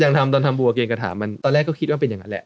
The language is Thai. ยังทำตอนทำบัวเกณกระถามันตอนแรกก็คิดว่าเป็นอย่างนั้นแหละ